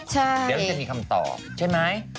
ใช่เดี๋ยวเราจะมีคำตอบใช่ไหม